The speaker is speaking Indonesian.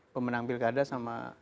pemenang pilkada sama